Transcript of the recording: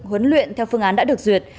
huấn luyện theo phương án đã được duyệt